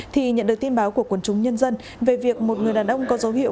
thì nhận được tin báo của quần chúng nhân dân về việc một người đàn ông có dấu hiệu